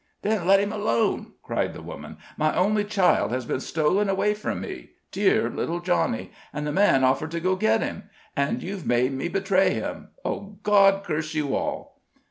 "Then let him alone!" cried the woman. "My only child has been stolen away from me dear little Johnny and the man offered to go get him. And you've made me betray him. Oh, God curse you all!"